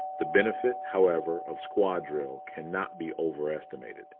The benefit, however, of "squad drill" can not be overestimated.